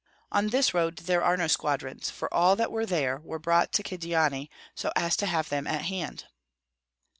On this road there are no squadrons, for all that were there were brought to Kyedani, so as to have them at hand."